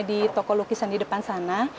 di toko lukisan di depan sana